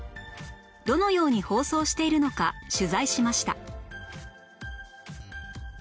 どのように放送しているのか取材しました